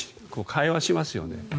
会話しますよね。